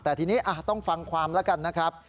แต่ทีนี้ต้องฟังความแล้วกันนะครับ